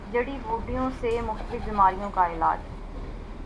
جڑی بوٹیوں سےمختلف بیماریوں کا علاج